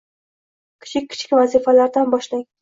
Kichik-kichik vazifalardan boshlang.